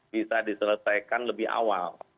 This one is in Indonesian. bisa diselesaikan lebih awal